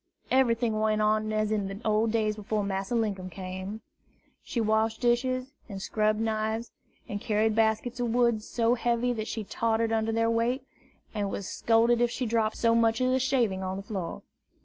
Everything went on as in the old days before Master Linkum came. She washed dishes, and scrubbed knives, and carried baskets of wood, so heavy that she tottered under their weight, and was scolded if she dropped so much as a shaving on the floor.